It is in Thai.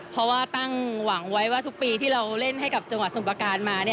เพราะว่าตั้งหวังไว้ว่าทุกปีที่เราเล่นให้กับจังหวัดสมประการมา